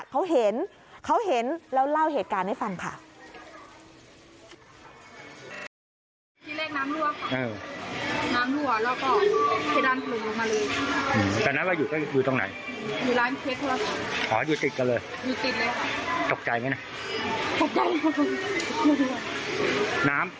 เขาเห็นแล้วเล่าเหตุการณ์ให้ฟังค่ะ